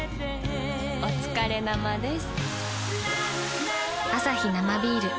おつかれ生です。